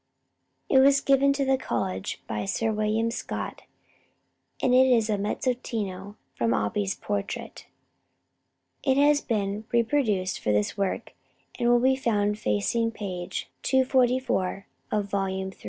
It was given to the College by Sir William Scott, and it is a mezzotinto from Opie's portrait. It has been reproduced for this work, and will be found facing page 244 of volume iii.